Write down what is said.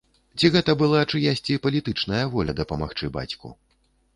Ці гэта была чыясьці палітычная воля дапамагчы бацьку?